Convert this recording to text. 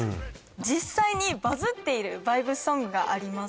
実際にバズっているバイブスソングがあります